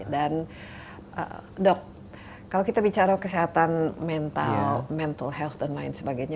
dan dok kalau kita bicara kesehatan mental mental health dan lain sebagainya